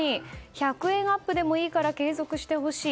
１００円アップでもいいから継続してほしい。